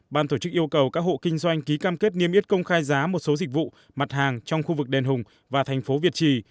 ban tổ chức yêu cầu các hộ kinh doanh ký cam kết niêm yết công khai giá một số dịch vụ mặt hàng trong khu vực đền hùng và thành phố việt trì